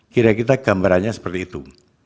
kira kira gambarannya seperti itu